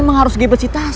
gue harus jawab lah